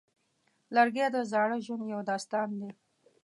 لرګی د زاړه ژوند یو داستان دی.